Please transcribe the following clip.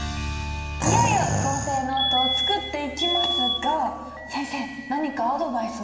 いよいよ構成ノートを作っていきますが先生何かアドバイスはありますか？